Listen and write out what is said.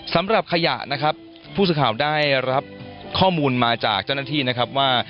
สำหรับขยะนะครับผู้สื่อข่าวได้รับข้อมูลมาจากเจ้าหน้าที่นะครับว่า